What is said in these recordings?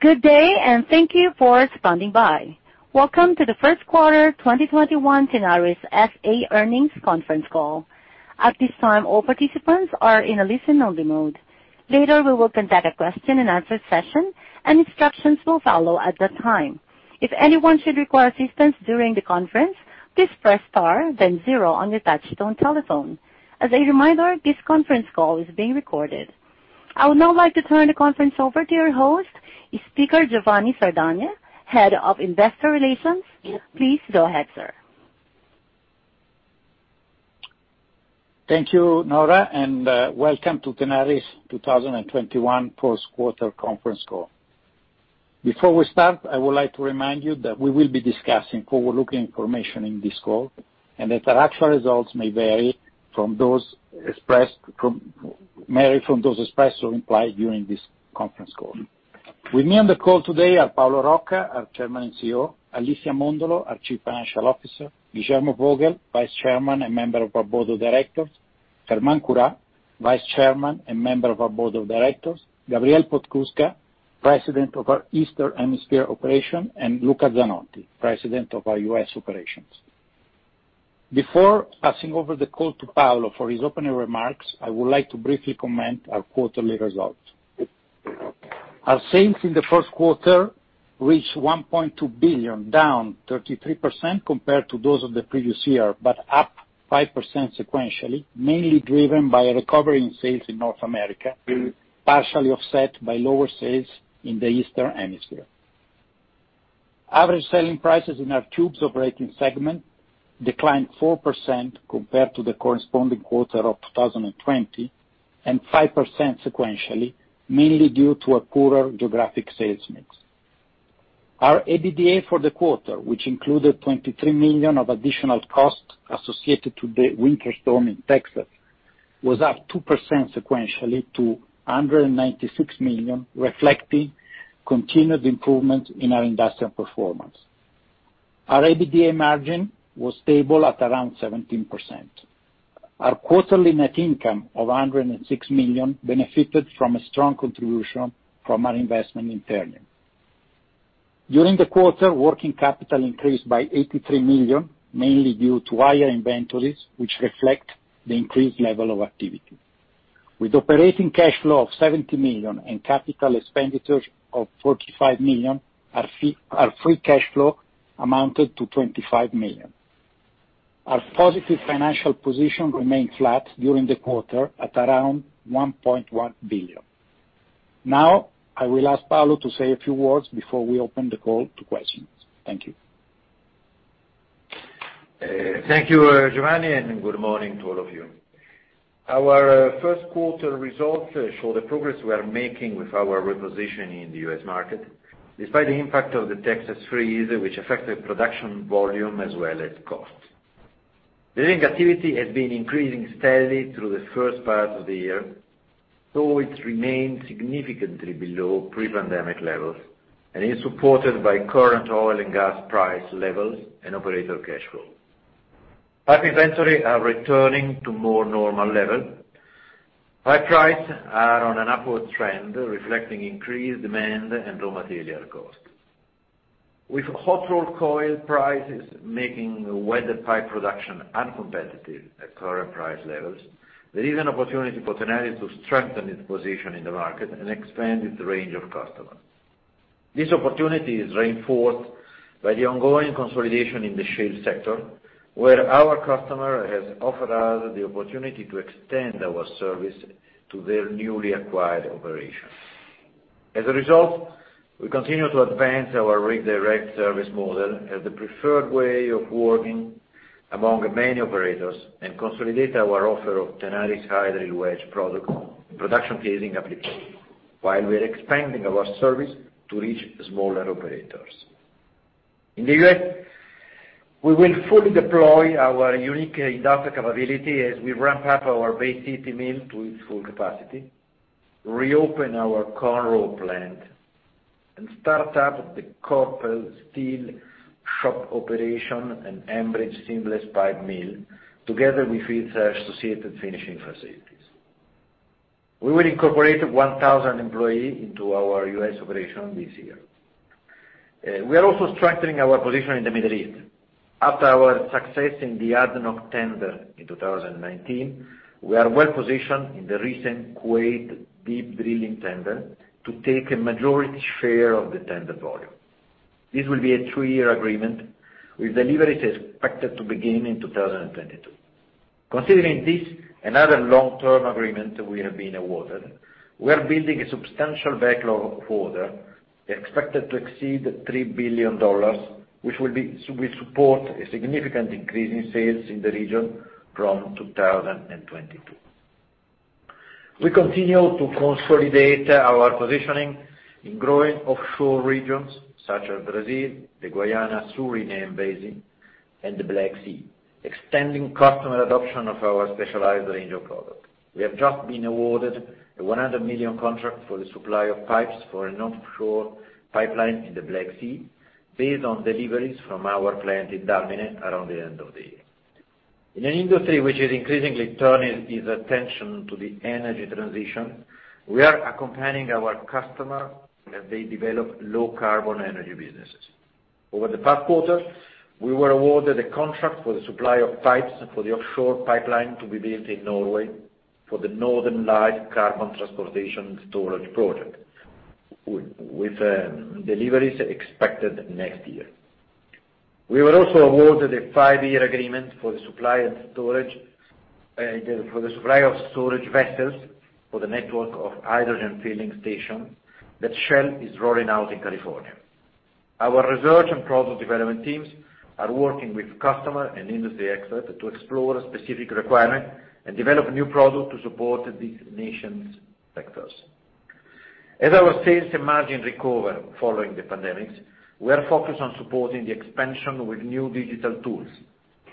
Good day, and thank you for standing by. Welcome to the first quarter 2021 Tenaris SA earnings conference call. At this time, all participants are in a listen-only mode. Later, we will conduct a question and answer session, and instructions will follow at that time. If anyone should require assistance during the conference, please press star, then zero on your touch-tone telephone. As a reminder, this conference call is being recorded. I would now like to turn the conference over to your host, speaker Giovanni Sardagna, Head of Investor Relations. Please go ahead, sir. Thank you, Nora, and welcome to Tenaris 2021 first quarter conference call. Before we start, I would like to remind you that we will be discussing forward-looking information in this call, and that actual results may vary from those expressed or implied during this conference call. With me on the call today are Paolo Rocca, our Chairman and CEO, Alicia Mondolo, our Chief Financial Officer, Guillermo Vogel, Vice Chairman and Member of our Board of Directors, Germán Curá, Vice Chairman and Member of our Board of Directors, Gabriel Podskubka, President of our Eastern Hemisphere Operation, and Luca Zanotti, President of our U.S. Operations. Before passing over the call to Paolo for his opening remarks, I would like to briefly comment our quarterly results. Our sales in the first quarter reached $1.2 billion, down 33% compared to those of the previous year, up 5% sequentially, mainly driven by a recovery in sales in North America, partially offset by lower sales in the Eastern Hemisphere. Average selling prices in our tubes operating segment declined 4% compared to the corresponding quarter of 2020, 5% sequentially, mainly due to a poorer geographic sales mix. Our EBITDA for the quarter, which included $23 million of additional costs associated to the winter storm in Texas, was up 2% sequentially to $196 million, reflecting continued improvement in our industrial performance. Our EBITDA margin was stable at around 17%. Our quarterly net income of $106 million benefited from a strong contribution from our investment in Ternium. During the quarter, working capital increased by $83 million, mainly due to higher inventories, which reflect the increased level of activity. With operating cash flow of $70 million and capital expenditures of $45 million, our free cash flow amounted to $25 million. Our positive financial position remained flat during the quarter at around $1.1 billion. I will ask Paolo to say a few words before we open the call to questions. Thank you. Thank you, Giovanni. Good morning to all of you. Our first quarter results show the progress we are making with our repositioning in the U.S. market, despite the impact of the Texas freeze, which affected production volume as well as cost. Drilling activity has been increasing steadily through the first part of the year, though it remains significantly below pre-pandemic levels, and is supported by current oil and gas price levels and operator cash flow. Pipe inventory are returning to more normal level. Pipe price are on an upward trend, reflecting increased demand and raw material cost. With hot-rolled coil prices making welded pipe production uncompetitive at current price levels, there is an opportunity for Tenaris to strengthen its position in the market and expand its range of customers. This opportunity is reinforced by the ongoing consolidation in the shale sector, where our customer has offered us the opportunity to extend our service to their newly acquired operations. As a result, we continue to advance our Rig Direct service model as the preferred way of working among many operators and consolidate our offer of TenarisHydril Wedge production casing applications, while we are expanding our service to reach smaller operators. In the U.S., we will fully deploy our unique industrial capability as we ramp up our Bay City mill to its full capacity, reopen our Conroe plant, and start up the Koppel steel shop operation and Ambridge seamless pipe mill, together with its associated finishing facilities. We will incorporate 1,000 employees into our U.S. operation this year. We are also strengthening our position in the Middle East. After our success in the ADNOC tender in 2019, we are well positioned in the recent Kuwait deep drilling tender to take a majority share of the tender volume. This will be a two-year agreement, with deliveries expected to begin in 2022. Considering this, another long-term agreement we have been awarded, we are building a substantial backlog of orders expected to exceed $3 billion, which will support a significant increase in sales in the region from 2022. We continue to consolidate our positioning in growing offshore regions such as Brazil, the Guyana-Suriname basin, and the Black Sea, extending customer adoption of our specialized range of products. We have just been awarded a $100 million contract for the supply of pipes for an offshore pipeline in the Black Sea, based on deliveries from our plant in Dalmine around the end of the year. In an industry which is increasingly turning its attention to the energy transition, we are accompanying our customer as they develop low carbon energy businesses. Over the past quarter, we were awarded a contract for the supply of pipes for the offshore pipeline to be built in Norway, for the Northern Lights carbon transportation storage project, with deliveries expected next year. We were also awarded a five-year agreement for the supply of storage vessels for the network of hydrogen filling station that Shell is rolling out in California. Our research and product development teams are working with customer and industry experts to explore specific requirement and develop new product to support these nations' vectors. As our sales and margin recover following the pandemics, we are focused on supporting the expansion with new digital tools,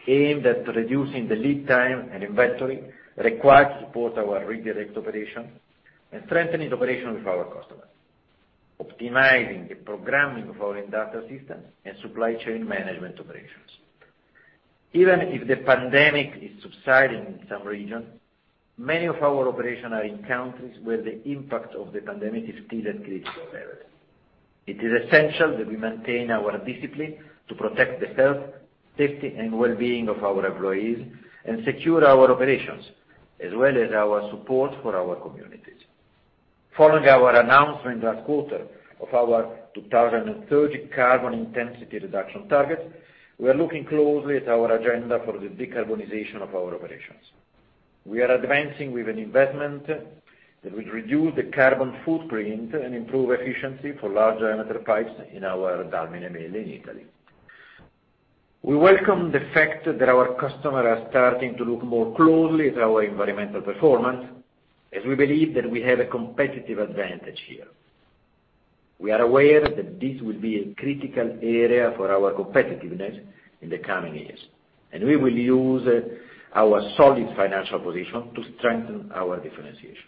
aimed at reducing the lead time and inventory required to support our Rig Direct operation and strengthening operation with our customers, optimizing the programming of our industrial systems and supply chain management operations. Even if the pandemic is subsiding in some regions, many of our operation are in countries where the impact of the pandemic is still at critical levels. It is essential that we maintain our discipline to protect the health, safety, and well-being of our employees and secure our operations, as well as our support for our communities. Following our announcement last quarter of our 2030 carbon intensity reduction target, we are looking closely at our agenda for the decarbonization of our operations. We are advancing with an investment that will reduce the carbon footprint and improve efficiency for large diameter pipes in our Dalmine mill in Italy. We welcome the fact that our customer are starting to look more closely at our environmental performance, as we believe that we have a competitive advantage here. We are aware that this will be a critical area for our competitiveness in the coming years, and we will use our solid financial position to strengthen our differentiation.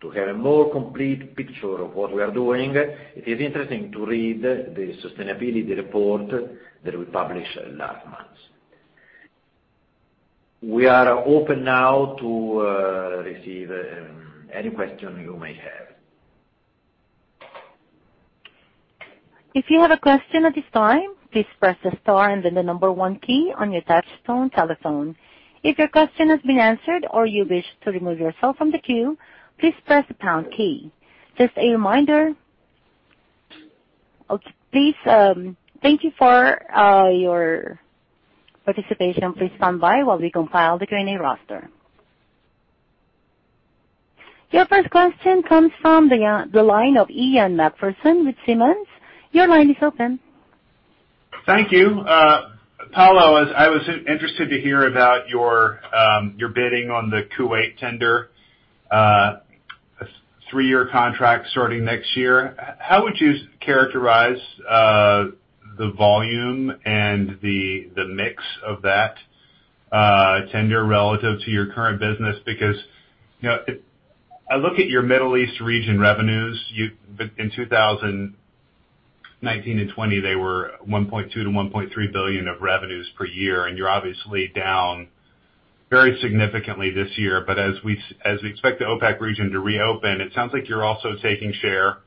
To have a more complete picture of what we are doing, it is interesting to read the sustainability report that we published last month. We are open now to receive any question you may have. Your first question comes from the line of Ian Macpherson with Simmons. Thank you. Paolo, I was interested to hear about your bidding on the Kuwait tender, three-year contract starting next year. How would you characterize the volume and the mix of that tender relative to your current business? If I look at your Middle East region revenues, in 2019 and 2020, they were $1.2 billion-$1.3 billion of revenues per year, and you're obviously down very significantly this year. As we expect the OPEC region to reopen, it sounds like you're also taking share.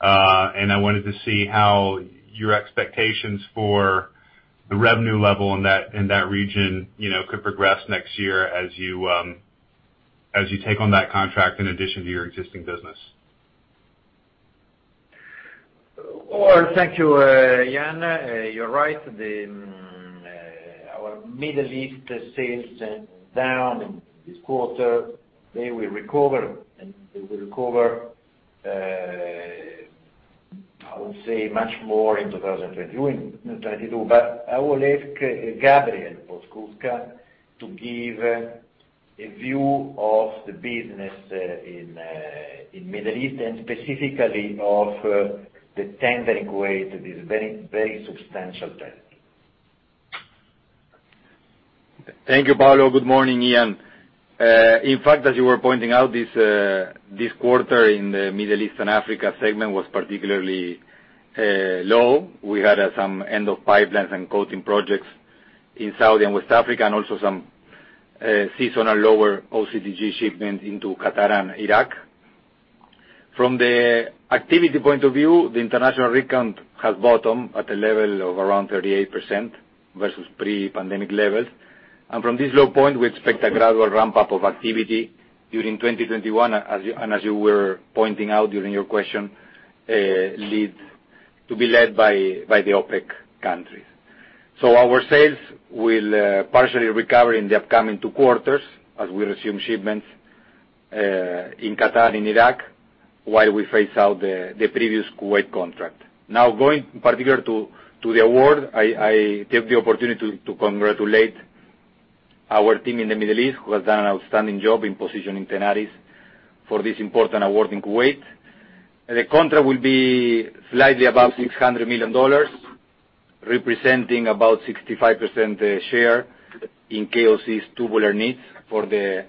I wanted to see how your expectations for the revenue level in that region could progress next year as you take on that contract in addition to your existing business. Well, thank you, Ian. You're right. Our Middle East sales are down in this quarter. They will recover, I would say, much more in 2021, 2022. I will ask Gabriel Podskubka to give a view of the business in Middle East and specifically of the tendering Kuwait, this very substantial tender. Thank you, Paolo. Good morning, Ian. In fact, as you were pointing out, this quarter in the Middle East and Africa segment was particularly low. We had some end of pipelines and coating projects in Saudi and West Africa. Also, some seasonal lower OCTG shipment into Qatar and Iraq. From the activity point of view, the international rig count has bottomed at a level of around 38% versus pre-pandemic levels. From this low point, we expect a gradual ramp-up of activity during 2021, as you were pointing out during your question, to be led by the OPEC countries. Our sales will partially recover in the upcoming two quarters as we resume shipments in Qatar and Iraq, while we phase out the previous Kuwait contract. Going particularly to the award, I take the opportunity to congratulate our team in the Middle East, who has done an outstanding job in positioning Tenaris for this important award in Kuwait. The contract will be slightly above $600 million, representing about 65% share in KOC's tubular needs for the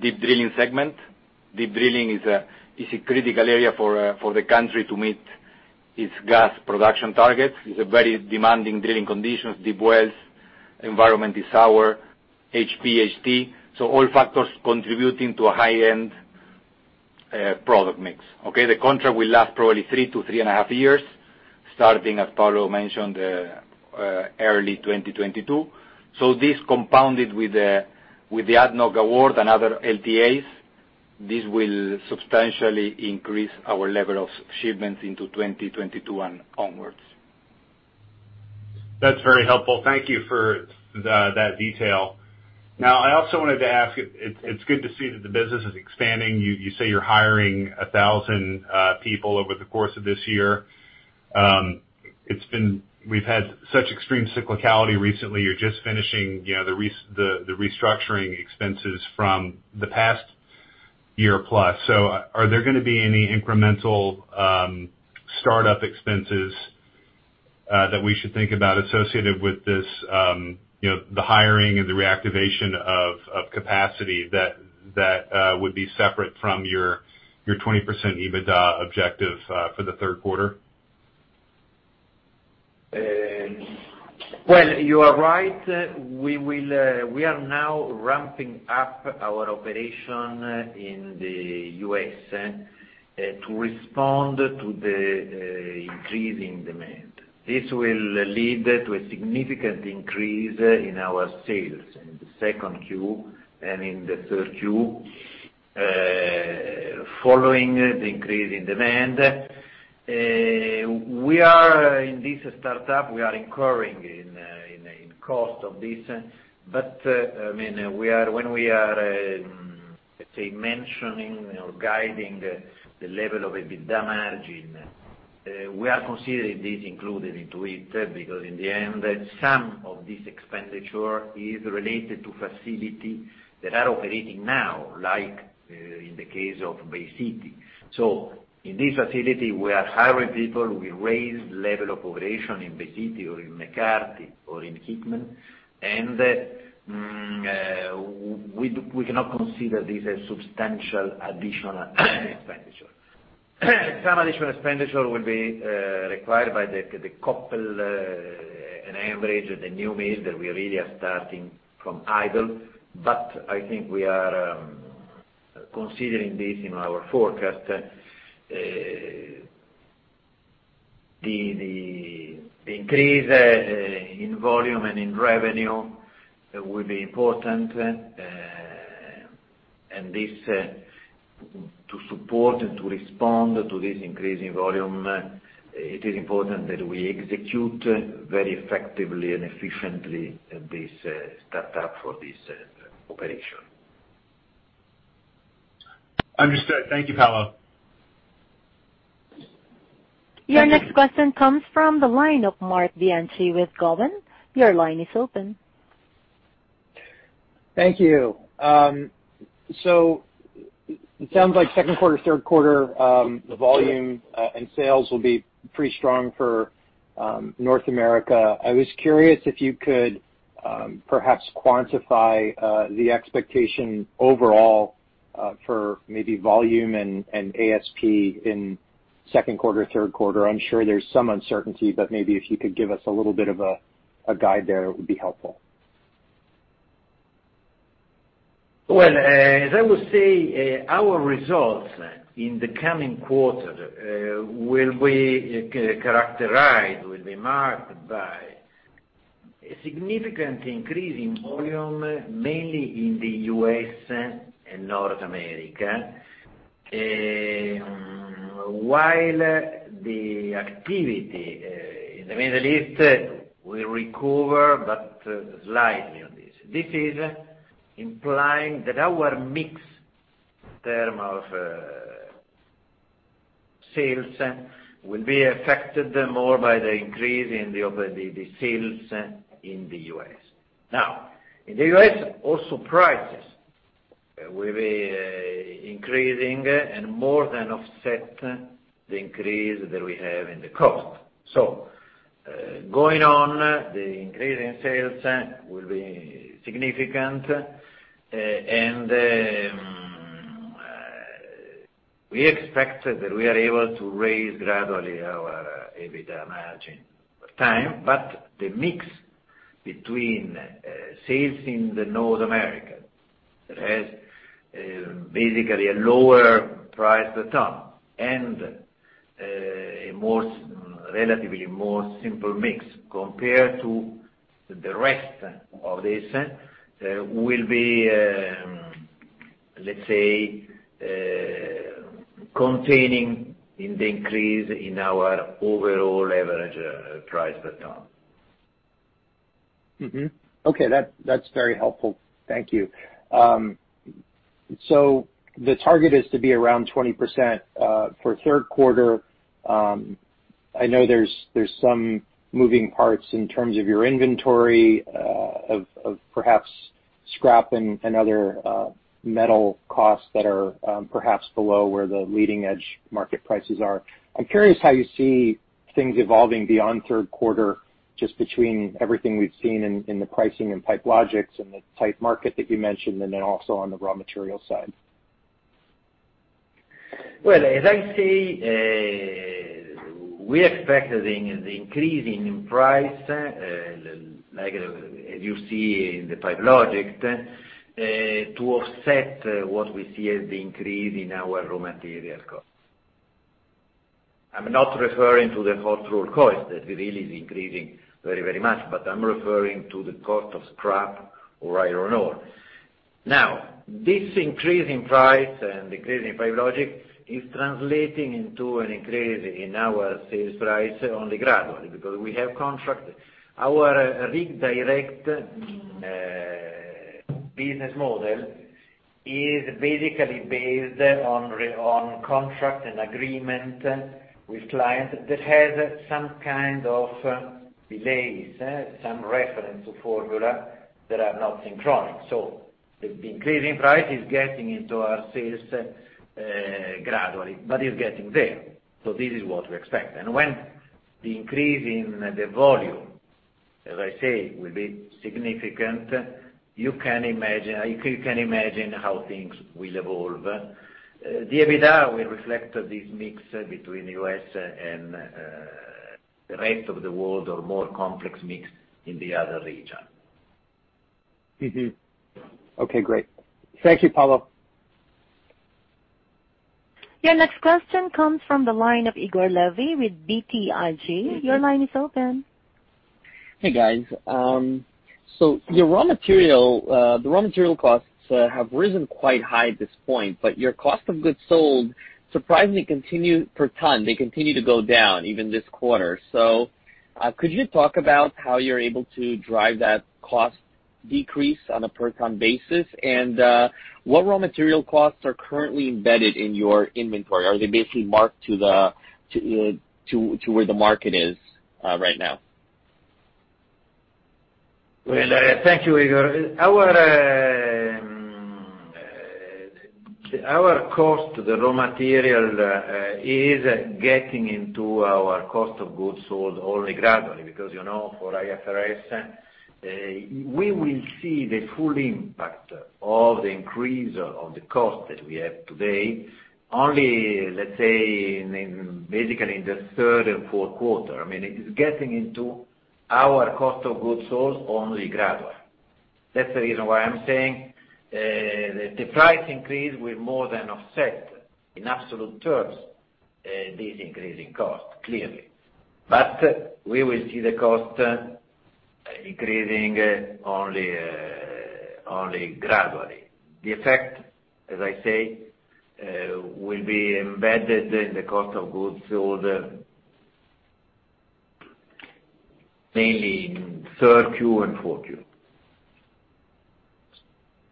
deep drilling segment. Deep drilling is a critical area for the country to meet its gas production targets. It's a very demanding drilling conditions, deep wells, environment is sour, HPHT, all factors contributing to a high-end product mix. The contract will last probably three to three and a half years, starting, as Paolo mentioned, early 2022. This compounded with the ADNOC award and other LTAs, this will substantially increase our level of shipments into 2022 and onwards. That's very helpful. Thank you for that detail. I also wanted to ask, it's good to see that the business is expanding. You say you're hiring 1,000 people over the course of this year. We've had such extreme cyclicality recently. You're just finishing the restructuring expenses from the past year plus. Are there going to be any incremental startup expenses that we should think about associated with this, the hiring and the reactivation of capacity that would be separate from your 20% EBITDA objective for the third quarter? Well, you are right. We are now ramping up our operation in the U.S. to respond to the increasing demand. This will lead to a significant increase in our sales in the second Q and in the third Q, following the increase in demand. In this startup, we are incurring in cost of this. When we are, let's say, mentioning or guiding the level of EBITDA margin, we are considering this included into it, because in the end, some of this expenditure is related to facility that are operating now, like in the case of Bay City. In this facility, we are hiring people, we raise level of operation in Bay City or in McCarty or in Hickman, and we cannot consider this a substantial additional expenditure. Some additional expenditure will be required by the Koppel and Ambridge, the new mills that we really are starting from idle, but I think we are considering this in our forecast. The increase in volume and in revenue will be important. To support and to respond to this increase in volume, it is important that we execute very effectively and efficiently this startup for this operation. Understood. Thank you, Paolo. Your next question comes from the line of Marc Bianchi with Cowen. Your line is open. Thank you. It sounds like second quarter, third quarter, the volume and sales will be pretty strong for North America. I was curious if you could perhaps quantify the expectation overall for maybe volume and ASP in second quarter, third quarter. I am sure there's some uncertainty, maybe if you could give us a little bit of a guide there, it would be helpful. As I would say, our results in the coming quarter will be characterized, will be marked by a significant increase in volume, mainly in the U.S. and North America. While the activity in the Middle East will recover, but slightly on this. This is implying that our mix in term of sales will be affected more by the increase in the sales in the U.S. In the U.S., also prices will be increasing and more than offset the increase that we have in the cost. Going on, the increase in sales will be significant, and we expect that we are able to raise gradually our EBITDA margin over time. The mix between sales in the North America that has basically a lower price per ton and a relatively more simple mix compared to the rest of this will be, let's say, containing in the increase in our overall average price per ton. Okay. That's very helpful. Thank you. The target is to be around 20% for third quarter. I know there's some moving parts in terms of your inventory, of perhaps scrap and other metal costs that are perhaps below where the leading edge market prices are. I'm curious how you see things evolving beyond third quarter, just between everything we've seen in the pricing and PipeLogix and the tight market that you mentioned, and then also on the raw material side. Well, as I say, we expect the increase in price, as you see in the PipeLogix, to offset what we see as the increase in our raw material costs. I'm not referring to the hot rolled costs, that really is increasing very much, but I'm referring to the cost of scrap or iron ore. This increase in price and increase in PipeLogix is translating into an increase in our sales price only gradually, because we have contract. Our Rig Direct business model is basically based on contract and agreement with clients that has some kind of delays, some reference to formula that are not synchronous. The increase in price is getting into our sales gradually, but is getting there. This is what we expect. When the increase in the volume, as I say, will be significant, you can imagine how things will evolve. The EBITDA will reflect this mix between U.S. and the rest of the world, or more complex mix in the other region. Mm-hmm. Okay, great. Thank you, Paolo. Your next question comes from the line of Igor Levi with BTIG. Your line is open. Hey, guys. The raw material costs have risen quite high at this point, but your cost of goods sold surprisingly continue, per ton, they continue to go down even this quarter. Could you talk about how you're able to drive that cost decrease on a per ton basis? What raw material costs are currently embedded in your inventory? Are they basically marked to where the market is right now? Well, thank you, Igor. Our cost, the raw material, is getting into our cost of goods sold only gradually because, for IFRS, we will see the full impact of the increase of the cost that we have today only, let's say, basically in the third and fourth quarter. It is getting into our cost of goods sold only gradually. That's the reason why I'm saying, the price increase will more than offset, in absolute terms, this increase in cost, clearly. We will see the cost increasing only gradually. The effect, as I say, will be embedded in the cost of goods sold mainly in third Q and fourth Q.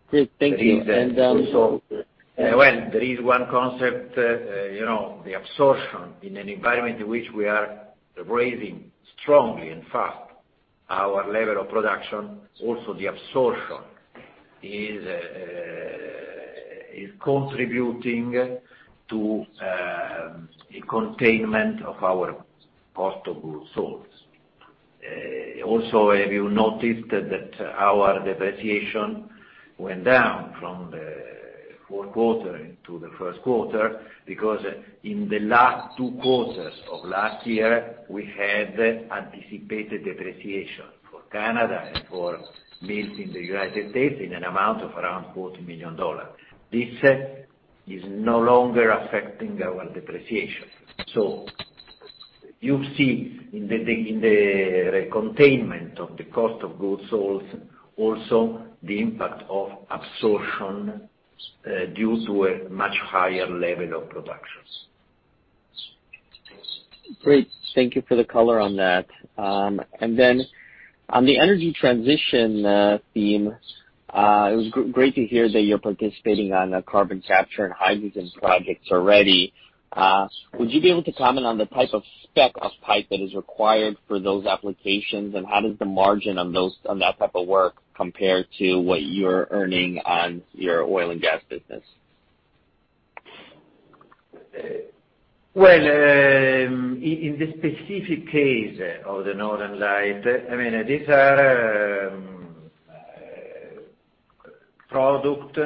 Great, thank you. Well, there is one concept, the absorption in an environment in which we are raising strongly and fast our level of production, also the absorption is contributing to a containment of our cost of goods sold. Have you noticed that our depreciation went down from the fourth quarter into the first quarter because in the last two quarters of last year, we had anticipated depreciation for Canada and for mills in the U.S. in an amount of around $40 million. This is no longer affecting our depreciation. You see in the containment of the cost of goods sold, also the impact of absorption, due to a much higher level of productions. Great. Thank you for the color on that. On the energy transition theme, it was great to hear that you're participating on carbon capture and hydrogen projects already. Would you be able to comment on the type of spec of pipe that is required for those applications, and how does the margin on that type of work compare to what you're earning on your oil and gas business? Well, in the specific case of the Northern Lights, these are product,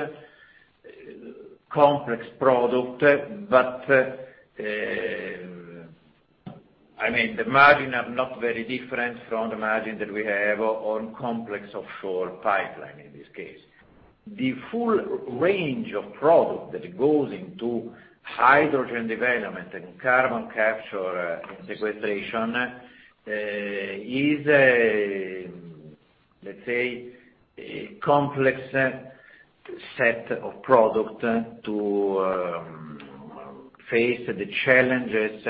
complex product, the margin are not very different from the margin that we have on complex offshore pipeline, in this case. The full range of product that goes into hydrogen development and carbon capture and sequestration is, let's say, a complex set of product to face the challenges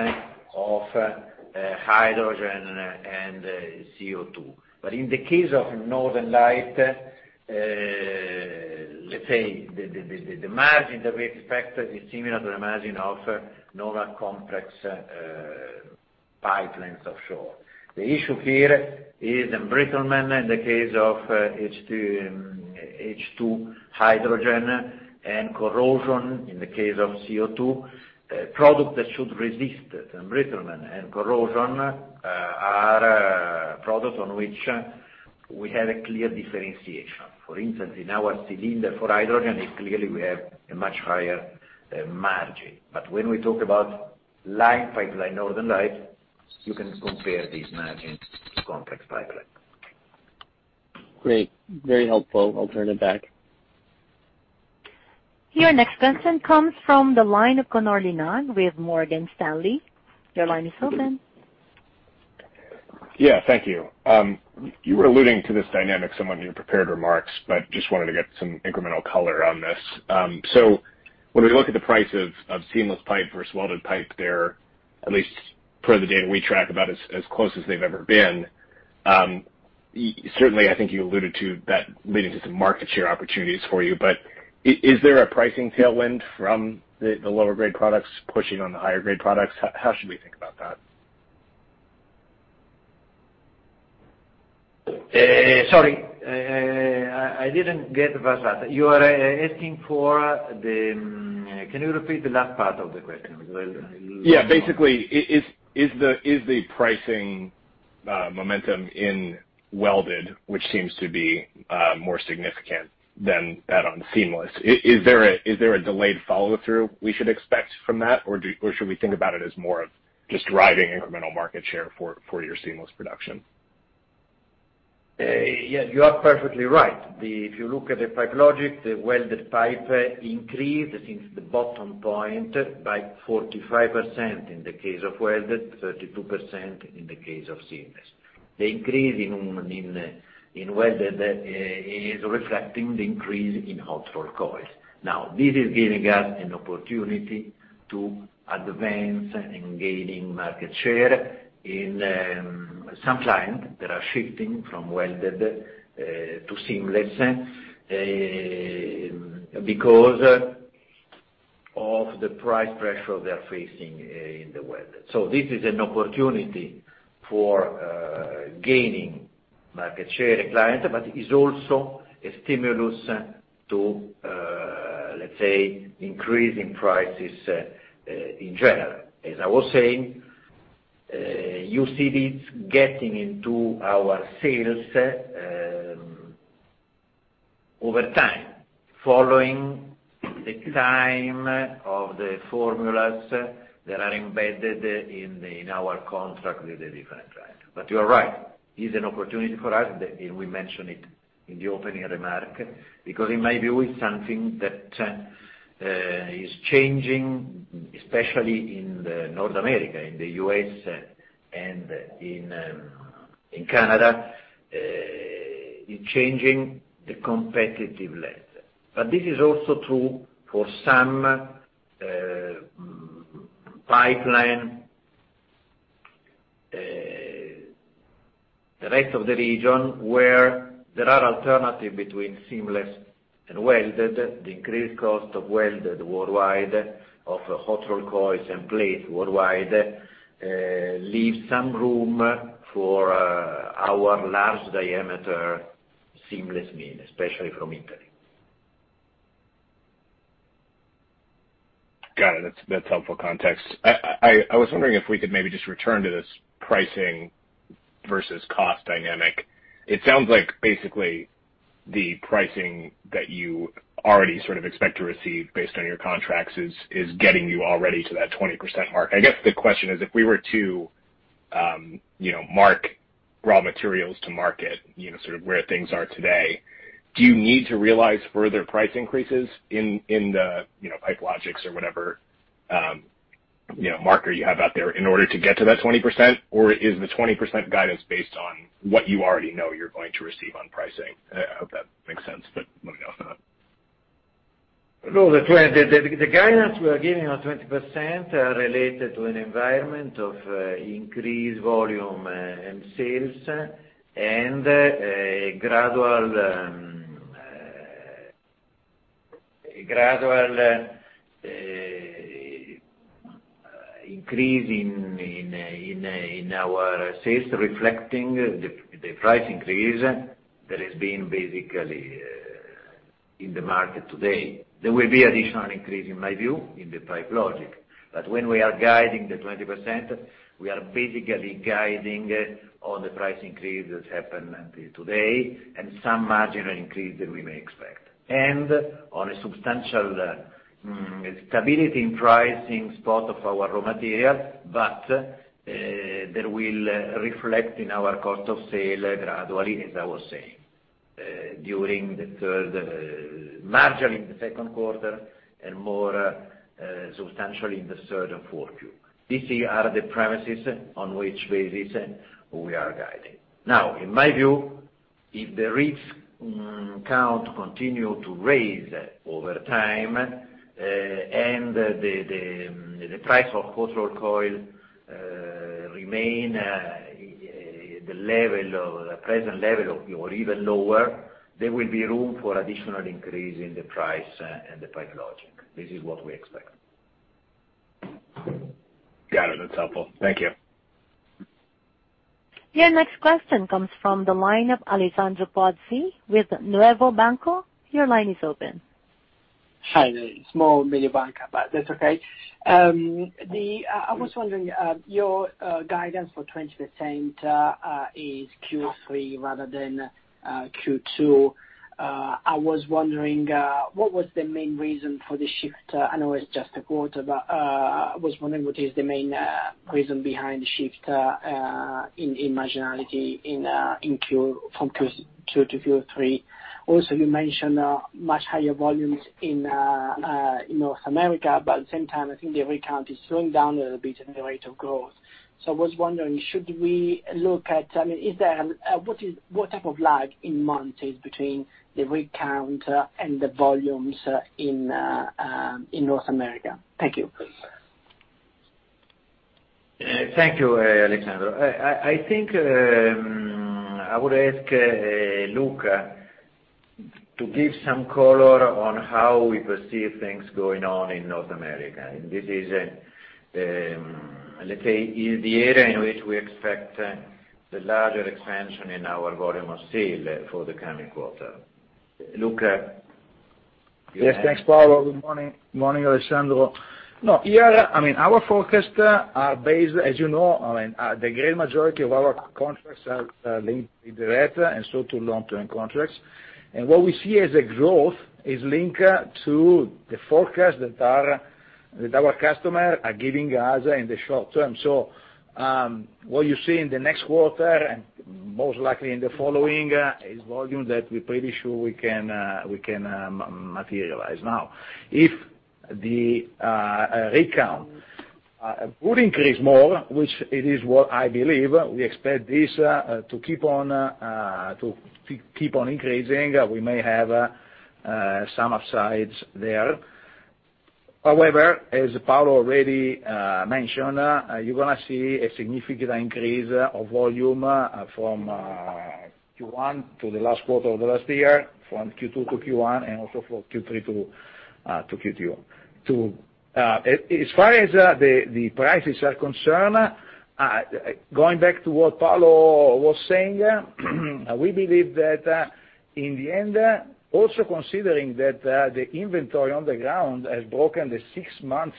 of hydrogen and CO2. In the case of Northern Lights, let's say, the margin that we expect is similar to the margin of normal complex pipelines offshore. The issue here is embrittlement in the case of H2, hydrogen, and corrosion in the case of CO2. Product that should resist embrittlement and corrosion are products on which we have a clear differentiation. For instance, in our cylinder for hydrogen, clearly we have a much higher margin. When we talk about line pipe, like Northern Lights, you can compare these margins to complex pipeline. Great. Very helpful. I'll turn it back. Your next question comes from the line of Connor Lynagh with Morgan Stanley. Your line is open. Yeah, thank you. You were alluding to this dynamic somewhat in your prepared remarks. Just wanted to get some incremental color on this. When we look at the price of seamless pipe versus welded pipe there, at least per the data we track, about as close as they've ever been. Certainly, I think you alluded to that leading to some market share opportunities for you. Is there a pricing tailwind from the lower grade products pushing on the higher grade products? How should we think about that? Sorry, I didn't get the first part. Can you repeat the last part of the question? Yeah. Basically, is the pricing momentum in welded, which seems to be more significant than that on seamless. Is there a delayed follow-through we should expect from that, or should we think about it as more of just driving incremental market share for your seamless production? Yes, you are perfectly right. If you look at the PipeLogix, the welded pipe increased since the bottom point by 45% in the case of welded, 32% in the case of seamless. The increase in welded is reflecting the increase in hot rolled coils. Now, this is giving us an opportunity to advance in gaining market share in some clients that are shifting from welded to seamless, because of the price pressure they're facing in the welded. This is an opportunity for gaining market share clients, but is also a stimulus to, let's say, increasing prices in general. As I was saying, you see this getting into our sales over time, following the time of the formulas that are embedded in our contract with the different clients. You are right, it's an opportunity for us, and we mentioned it in the opening remark, because in my view, it's something that is changing, especially in the North America, in the U.S. and in Canada, is changing the competitive landscape. This is also true for some pipeline, the rest of the region, where there are alternative between seamless and welded. The increased cost of welded worldwide of hot rolled coils and plates worldwide leaves some room for our large diameter seamless mills, especially from Italy. Got it. That's helpful context. I was wondering if we could maybe just return to this pricing versus cost dynamic. It sounds like basically the pricing that you already sort of expect to receive based on your contracts is getting you already to that 20% mark. I guess the question is, if we were to mark raw materials to market, sort of where things are today, do you need to realize further price increases in the PipeLogix or whatever marker you have out there in order to get to that 20%? Or is the 20% guidance based on what you already know you're going to receive on pricing? I hope that makes sense, but let me know. No, the guidance we are giving on 20% are related to an environment of increased volume and sales and a gradual increase in our sales, reflecting the price increase that has been basically in the market today. There will be additional increase, in my view, in the Pipe Logix. When we are guiding the 20%,we are basically guiding on the price increase that's happened until today and some marginal increase that we may expect. On a substantial stability in pricing spot of our raw material, but that will reflect in our cost of sale gradually, as I was saying, during the third, marginal in the second quarter, and more substantially in the third and fourth Q. These are the premises on which basis we are guiding. Now, in my view, if the rigs count continue to rise over time, and the price of hot rolled coil remain the present level or even lower, there will be room for additional increase in the price and the Pipe Logix. This is what we expect. Got it. That's helpful. Thank you. Your next question comes from the line of Alessandro Pozzi with Mediobanca. Your line is open. Hi there. Small Mediobanca, but that's okay. I was wondering, your guidance for 20% is Q3 rather than Q2. I was wondering, what was the main reason for the shift? I know it's just a quarter, but I was wondering what is the main reason behind the shift in marginality from Q2 to Q3? You mentioned much higher volumes in North America, but at the same time, I think the rig count is slowing down a little bit in the rate of growth. I was wondering, what type of lag in months is between the rig count and the volumes in North America? Thank you. Thank you, Alessandro. I think, I would ask Luca to give some color on how we perceive things going on in North America. This is, let's say, the area in which we expect the larger expansion in our volume of sale for the coming quarter. Luca? Yes, thanks, Paolo. Good morning. Morning, Alessandro. Our forecast are based, as you know, the great majority of our contracts are linked with the rate, and so to long-term contracts. What we see as a growth is linked to the forecast that our customer are giving us in the short term. What you see in the next quarter, and most likely in the following, is volume that we're pretty sure we can materialize. Now, if the rig count would increase more, which it is what I believe, we expect this to keep on increasing. We may have some upsides there. However, as Paolo already mentioned, you're going to see a significant increase of volume from Q1 to the last quarter of the last year, from Q2 to Q1, and also from Q3 to Q2. As far as the prices are concerned, going back to what Paolo was saying, we believe that in the end, also considering that the inventory on the ground has broken the six months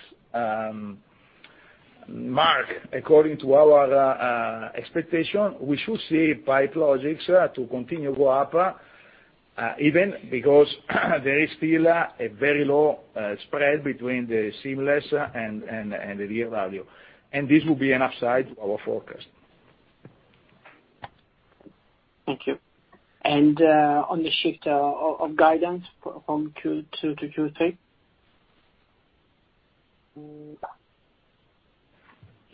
mark, according to our expectation, we should see Pipe Logix to continue go up, even because there is still a very low spread between the seamless and the real value. This will be an upside to our forecast. Thank you. On the shift of guidance from Q2 to Q3?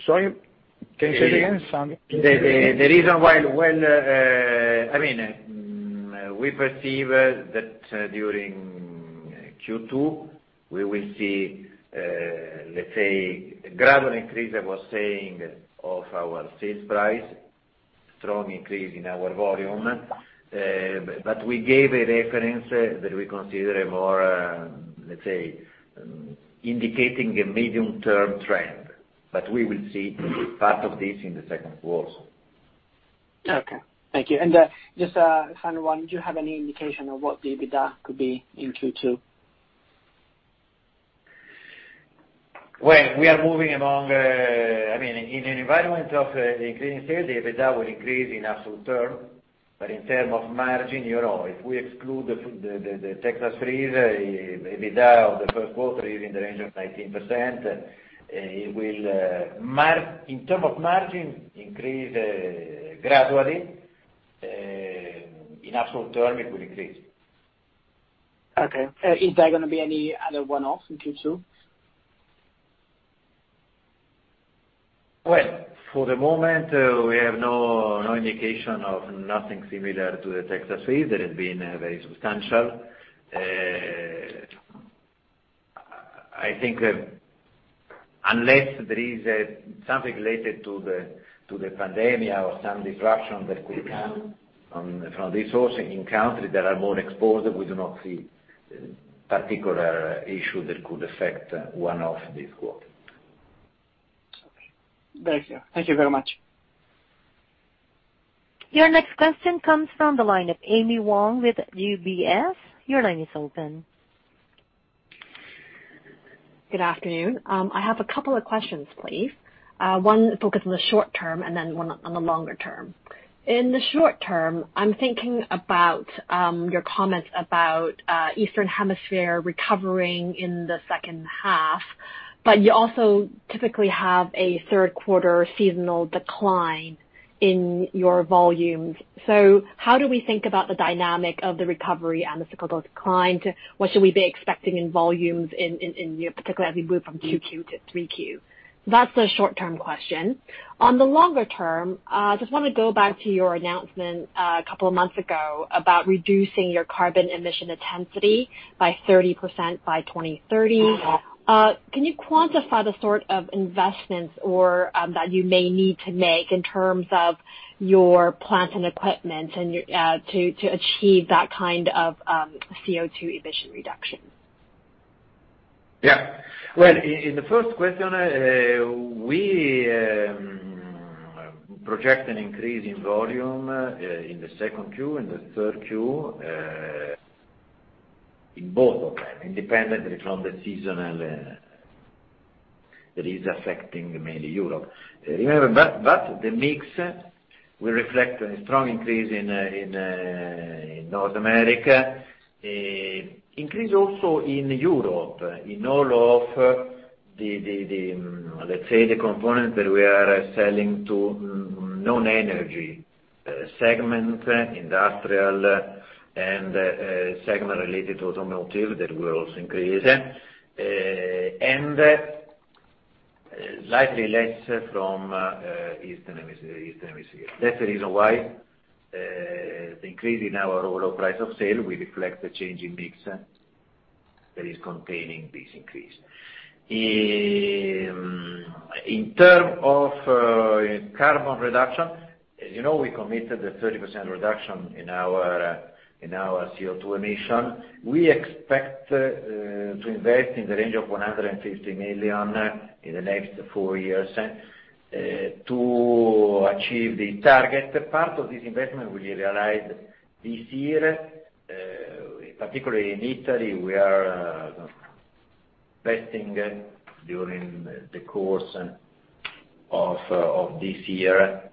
Sorry, can you say it again? Sorry. The reason why, we perceive that during Q2, we will see, let's say, gradual increase, I was saying, of our sales price, strong increase in our volume. We gave a reference that we consider a more, let's say, indicating a medium-term trend. We will see part of this in the second quarter. Okay. Thank you. Just a final one, do you have any indication of what the EBITDA could be in Q2? Well, we are moving along, in an environment of increasing sales, the EBITDA will increase in absolute term, but in term of margin, if we exclude the Texas freeze, EBITDA of the first quarter is in the range of 19%. In term of margin, increase gradually. In absolute term, it will increase. Okay. Is there going to be any other one-off in Q2? Well, for the moment, we have no indication of nothing similar to the Texas freeze that has been very substantial. I think, unless there is something related to the pandemic or some disruption that could come from this also in country that are more exposed, we do not see particular issue that could affect one-off this quarter. Okay. Thank you. Thank you very much. Your next question comes from the line of Amy Wong with UBS. Your line is open. Good afternoon. I have a couple of questions, please. One focus on the short term and then one on the longer term. In the short term, I'm thinking about your comments about Eastern Hemisphere recovering in the second half, but you also typically have a third quarter seasonal decline in your volumes. How do we think about the dynamic of the recovery and the cyclical decline? What should we be expecting in volumes in particular as we move from 2Q to 3Q? That's the short term question. On the longer term, just want to go back to your announcement a couple of months ago about reducing your carbon emission intensity by 30% by 2030. Can you quantify the sort of investments or that you may need to make in terms of your plant and equipment and to achieve that kind of CO2 emission reduction? Yeah. Well, in the first question, we project an increase in volume in the second Q and the third Q, in both of them independently from the seasonal that is affecting mainly Europe. Remember back to the mix, we reflect a strong increase in North America, increase also in Europe in all of, let's say, the components that we are selling to non-energy segment, industrial, and segment related to automotive, that will also increase, and slightly less from Eastern Hemisphere. That's the reason why the increase in our overall price of sale will reflect the change in mix that is containing this increase. In terms of carbon reduction, as you know, we committed a 30% reduction in our CO2 emission. We expect to invest in the range of $150 million in the next four years to achieve the target. Part of this investment will be realized this year, particularly in Italy. We are investing during the course of this year.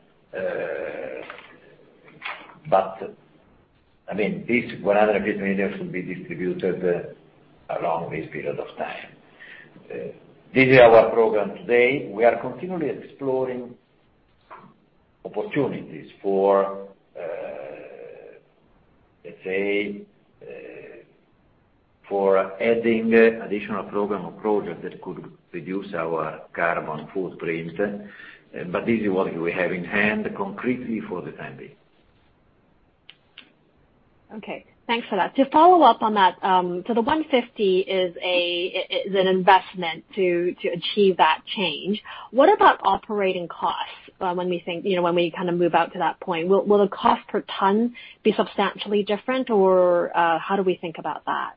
This $150 million will be distributed along this period of time. This is our program today. We are continually exploring opportunities for, let's say, for adding additional program or project that could reduce our carbon footprint. This is what we have in hand concretely for the time being. Okay, thanks for that. To follow up on that, so the $150 is an investment to achieve that change. What about operating costs when we kind of move out to that point? Will the cost per ton be substantially different, or how do we think about that?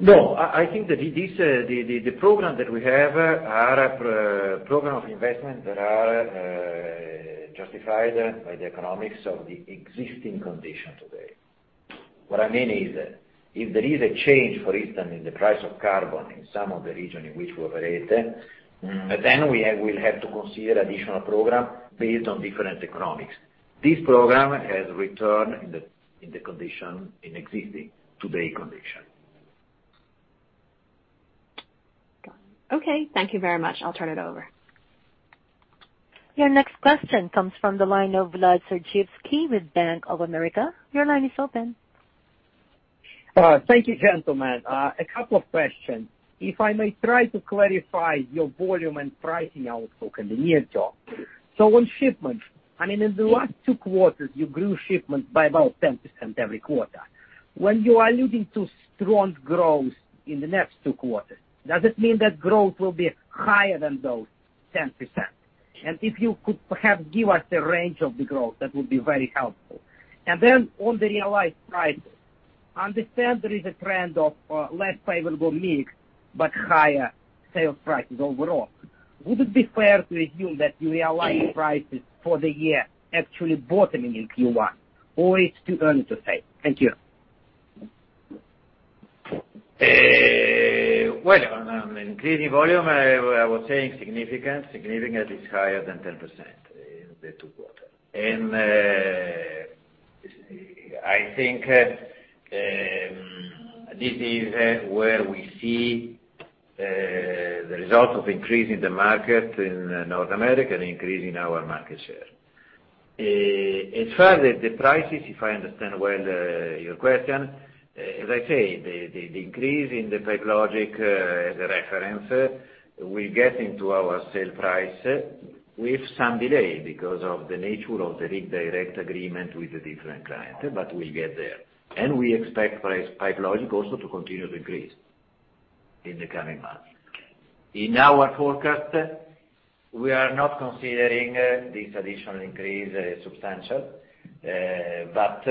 No, I think that the program that we have are program of investment that are justified by the economics of the existing condition today. What I mean is, if there is a change, for instance, in the price of carbon in some of the region in which we operate, then we'll have to consider additional program based on different economics. This program has returned in the condition, in existing today condition. Got it. Okay. Thank you very much. I'll turn it over. Your next question comes from the line of Vladimir Sergievskiy with Bank of America. Your line is open. Thank you, gentlemen. A couple of questions. If I may try to clarify your volume and pricing outlook in the near term. On shipments, I mean, in the last two quarters, you grew shipments by about 10% every quarter. When you are alluding to strong growth in the next two quarters, does it mean that growth will be higher than those 10%? If you could perhaps give us a range of the growth, that would be very helpful. On the realized prices, I understand there is a trend of less favorable mix, but higher sales prices overall. Would it be fair to assume that you realize prices for the year actually bottoming in Q1, or it's too early to say? Thank you. On increasing volume, I was saying significant. Significant is higher than 10% in the two quarters. I think this is where we see the result of increase in the market in North America and increase in our market share. As far as the prices, if I understand well your question, as I say, the increase in the Pipe Logix, the reference, will get into our sale price with some delay because of the nature of the direct agreement with the different client, but we'll get there. We expect price Pipe Logix also to continue to increase in the coming months. In our forecast, we are not considering this additional increase substantial, but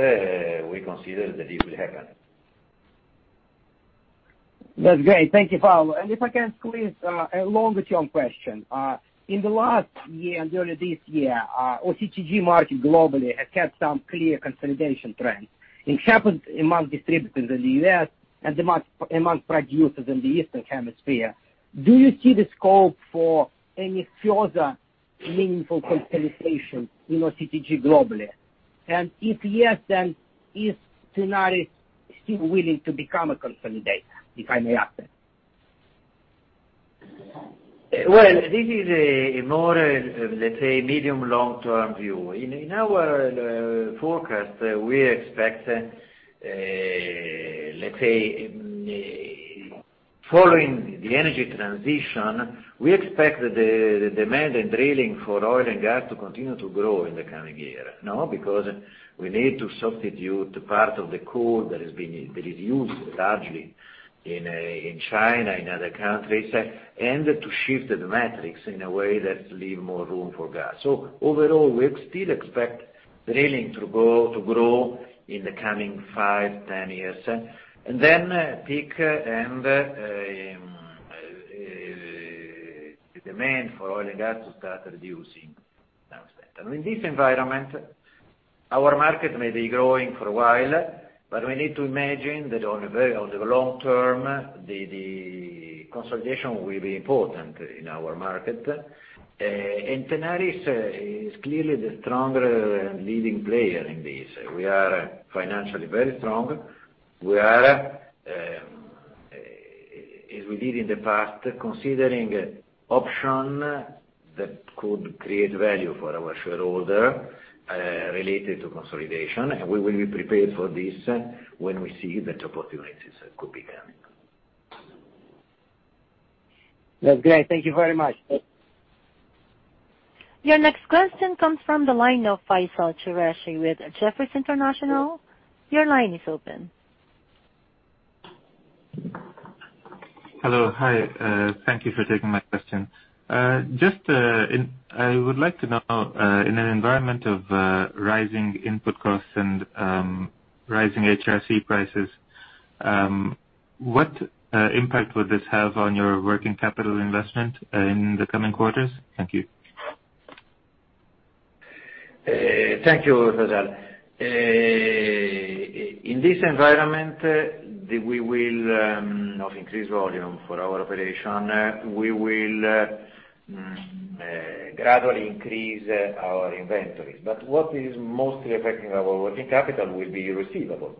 we consider that it will happen. That's great. Thank you, Paolo. If I can squeeze a longer-term question. In the last year and early this year, OCTG market globally has had some clear consolidation trends. It happened among distributors in the U.S. and among producers in the Eastern Hemisphere. Do you see the scope for any further meaningful consolidation in OCTG globally? If yes, is Tenaris still willing to become a consolidator, if I may ask that? Well, this is a more, let's say, medium long-term view. In our forecast, we expect, let's say, following the energy transition, we expect the demand in drilling for oil and gas to continue to grow in the coming year. We need to substitute part of the coal that is used largely in China, in other countries, and to shift the metrics in a way that leave more room for gas. Overall, we still expect drilling to grow in the coming five, 10 years, and then peak and the demand for oil and gas to start reducing downstream. In this environment, our market may be growing for a while, but we need to imagine that on the long-term, the consolidation will be important in our market. Tenaris is clearly the stronger leading player in this. We are financially very strong. We are, as we did in the past, considering option that could create value for our shareholder, related to consolidation, and we will be prepared for this when we see that opportunities could be coming. That's great. Thank you very much. Your next question comes from the line of Faisal Qureshi with Jefferies International. Your line is open. Hello. Hi. Thank you for taking my question. I would like to know, in an environment of rising input costs and rising HRC prices, what impact would this have on your working capital investment in the coming quarters? Thank you. Thank you, Faisal. In this environment of increased volume for our operation, we will gradually increase our inventories. What is mostly affecting our working capital will be receivables.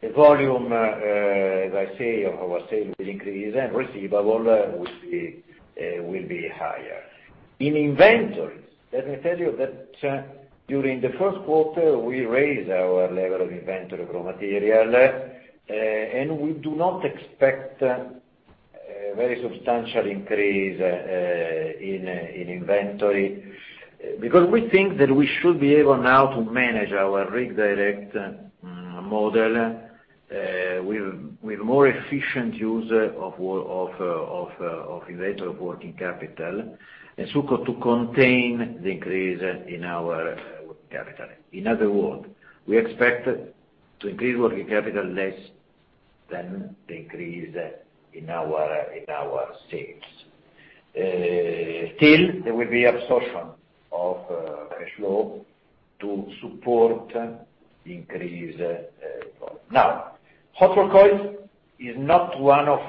The volume, as I say, of our sales will increase, and receivables will be higher. In inventories, let me tell you that during the first quarter, we raised our level of inventory of raw material, and we do not expect a very substantial increase in inventory, because we think that we should be able now to manage our Rig Direct model, with more efficient use of inventory of working capital, and so to contain the increase in our working capital. In other words, we expect to increase working capital less than the increase in our sales. Still, there will be absorption of cash flow to support the increased volume. Now, hot-rolled coil is not a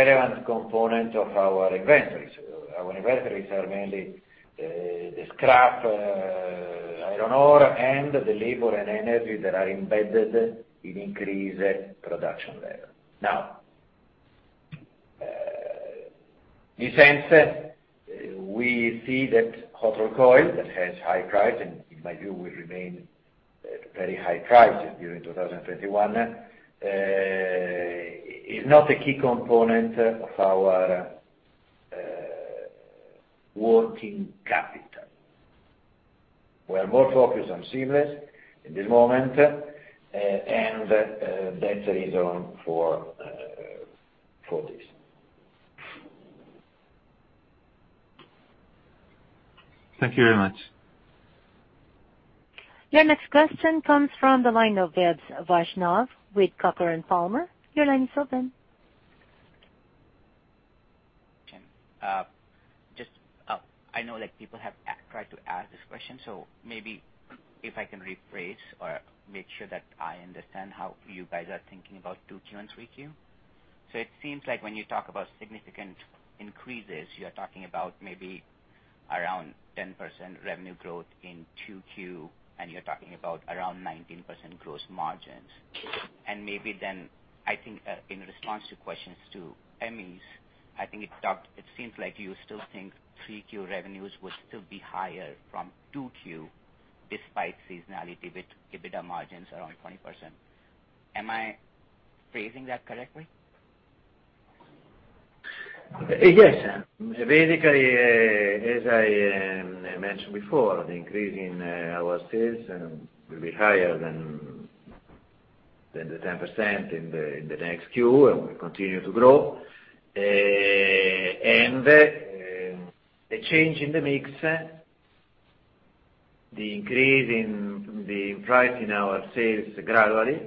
relevant component of our inventories. Our inventories are mainly the scrap, iron ore, and the labor and energy that are embedded in increased production level. Now, in sense, we see that hot-rolled coil that has high price, and in my view, will remain at very high price during 2021, is not a key component of our working capital. That's the reason for this. Thank you very much. Your next question comes from the line of Vaibhav Vaishnav with Coker & Palmer. Your line is open. I know people have tried to ask this question, maybe if I can rephrase or make sure that I understand how you guys are thinking about 2Q and 3Q. It seems like when you talk about significant increases, you're talking about maybe around 10% revenue growth in 2Q, and you're talking about around 19% gross margins. Maybe then, I think, in response to questions to Amy, I think it seems like you still think 3Q revenues would still be higher from 2Q despite seasonality with EBITDA margins around 20%. Am I phrasing that correctly? Yes. Basically, as I mentioned before, the increase in our sales will be higher than the 10% in the next Q, and will continue to grow. The change in the mix, the increase in the price in our sales gradually,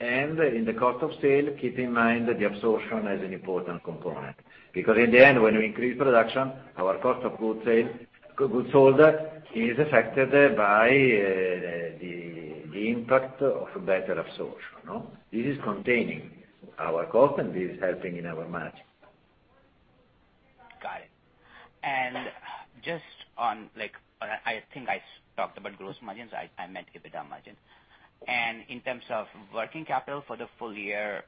and in the cost of sale, keep in mind the absorption as an important component. In the end, when we increase production, our cost of goods sold is affected by the impact of better absorption. This is containing our cost, and this is helping in our margin. Got it. I think I talked about gross margins. I meant EBITDA margins. In terms of working capital for the full year,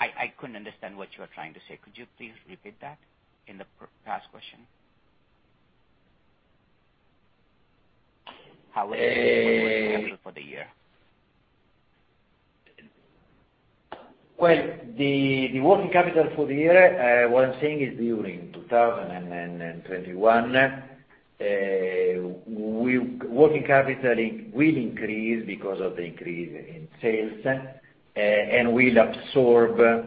I couldn't understand what you were trying to say. Could you please repeat that in the past question? How would you working capital for the year? Well, the working capital for the year, what I'm saying is during 2021, working capital will increase because of the increase in sales, and will absorb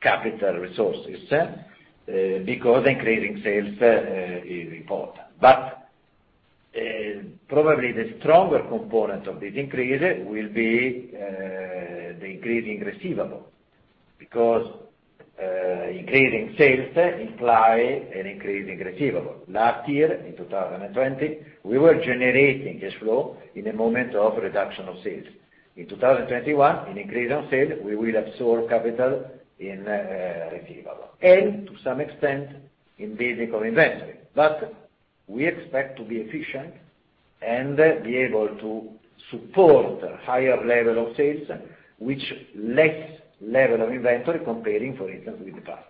capital resources, because increasing sales is important. Probably the stronger component of this increase will be the increasing receivable, because increasing sales imply an increasing receivable. Last year, in 2020, we were generating cash flow in a moment of reduction of sales. In 2021, an increase in sale, we will absorb capital in receivable, and to some extent in building of inventory. We expect to be efficient and be able to support higher level of sales, with less level of inventory comparing, for instance, with the past.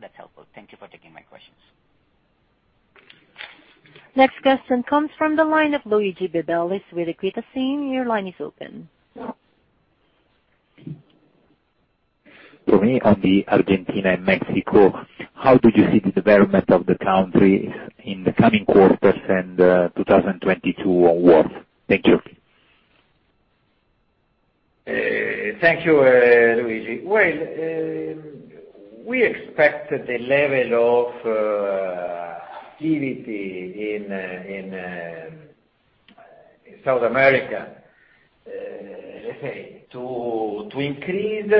That's helpful. Thank you for taking my questions. Next question comes from the line of Luigi de Bellis with Equita SIM. Your line is open. For me, on the Argentina and Mexico, how do you see the development of the country in the coming quarters and 2022 onwards? Thank you. Thank you, Luigi. We expect the level of activity in South America, let's say, to increase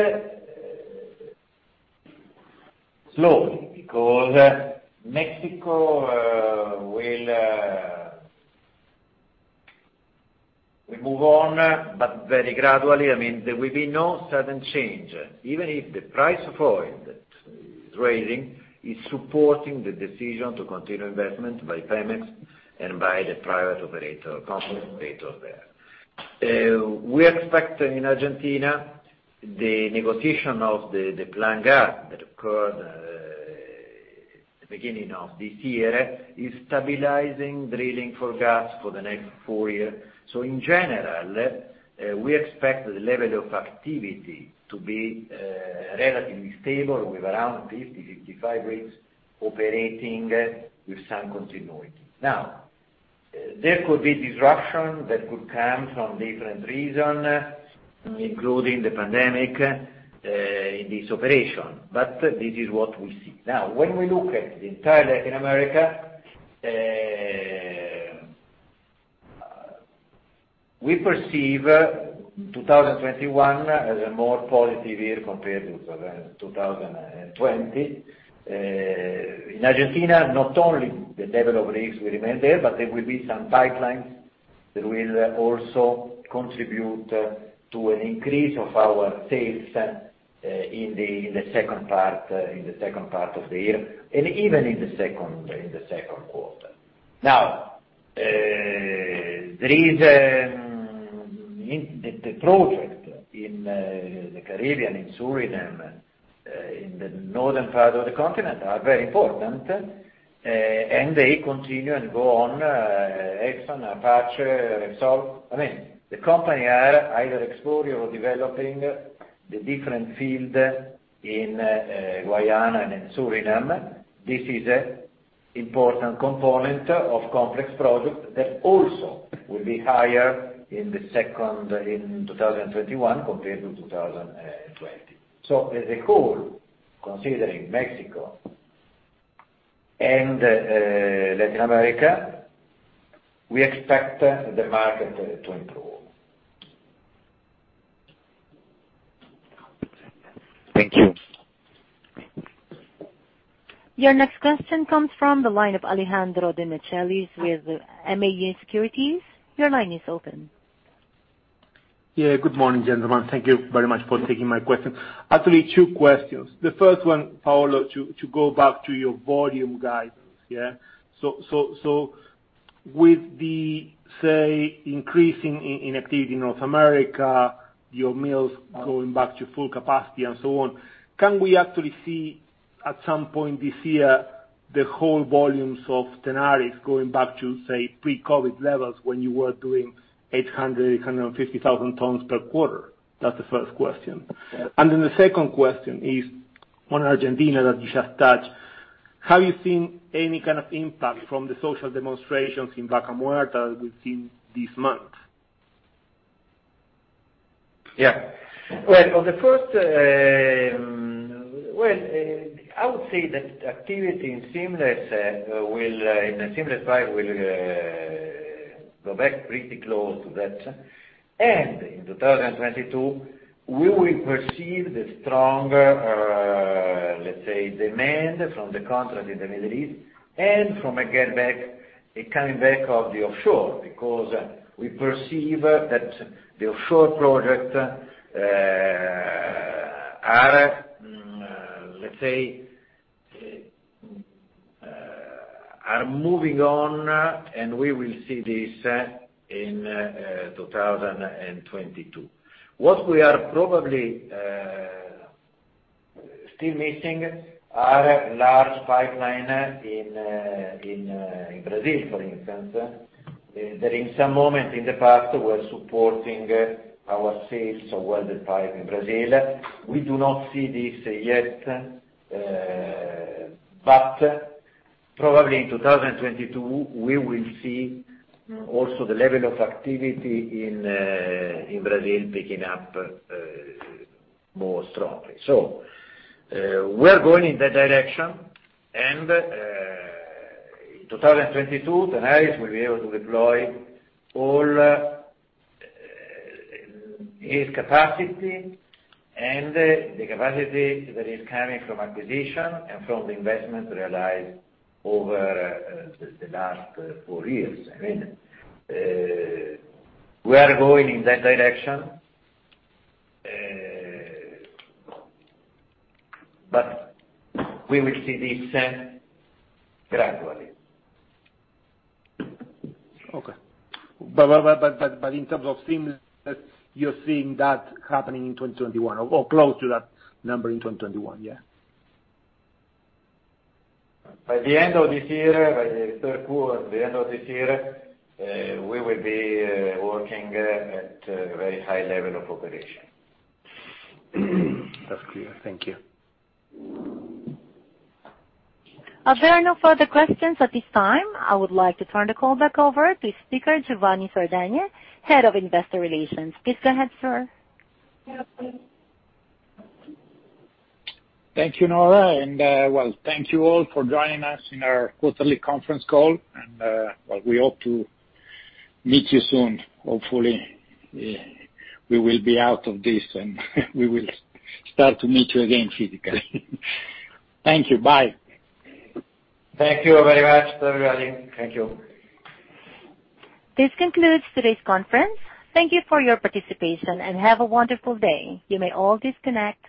slowly, because Mexico will move on, but very gradually. There will be no sudden change, even if the price of oil that is rising is supporting the decision to continue investment by Pemex and by the private operator companies based there. We expect in Argentina, the negotiation of the Plan Gas.Ar that occurred the beginning of this year, is stabilizing drilling for gas for the next four years. In general, we expect the level of activity to be relatively stable with around 50, 55 rigs operating with some continuity. There could be disruption that could come from different reason, including the pandemic, in this operation. This is what we see. When we look at the entire Latin America, we perceive 2021 as a more positive year compared to 2020. In Argentina, not only the level of rigs will remain there, but there will be some pipelines that will also contribute to an increase of our sales in the second part of the year, and even in the second quarter. Now, the project in the Caribbean, in Suriname, in the northern part of the continent are very important, and they continue and go on, Exxon, Apache, Repsol. The company are either exploring or developing the different field in Guyana and in Suriname. This is a important component of complex project that also will be higher in 2021 compared to 2020. As a whole, considering Mexico and Latin America, we expect the market to improve. Thank you. Your next question comes from the line of Alejandro D'Atri with MAG Securities. Your line is open. Yeah, good morning, gentlemen. Thank you very much for taking my question. Actually, two questions. The first one, Paolo, to go back to your volume guidance. With the, say, increasing in activity in North America, your mills going back to full capacity and so on, can we actually see at some point this year the whole volumes of Tenaris going back to, say, pre-COVID levels when you were doing 800,000, 850,000 tons per quarter? That's the first question. The second question is on Argentina that you just touched. Have you seen any kind of impact from the social demonstrations in Vaca Muerta within this month? Well, on the first, I would say that activity in seamless pipe will go back pretty close to that. In 2022, we will perceive the stronger, let's say, demand from the contract in the Middle East, and from a coming back of the offshore, because we perceive that the offshore project are moving on, and we will see this in 2022. What we are probably still missing are large pipeline in Brazil, for instance, that in some moment in the past were supporting our sales of welded pipe in Brazil. We do not see this yet. Probably in 2022, we will see also the level of activity in Brazil picking up more strongly. We are going in that direction, and in 2022, Tenaris will be able to deploy all its capacity and the capacity that is coming from acquisition and from the investment realized over the last four years. We are going in that direction, but we will see this gradually. Okay. In terms of seamless, you're seeing that happening in 2021 or close to that number in 2021, yeah? By the end of this year, by the third quarter, at the end of this year, we will be working at a very high level of operation. That's clear. Thank you. There are no further questions at this time. I would like to turn the call back over to speaker, Giovanni Sardagna, Head of Investor Relations. Please go ahead, sir. Thank you, Nora. Well, thank you all for joining us in our quarterly conference call, and we hope to meet you soon. Hopefully, we will be out of this, and we will start to meet you again physically. Thank you. Bye. Thank you very much, everybody. Thank you. This concludes today's conference. Thank you for your participation, and have a wonderful day. You may all disconnect.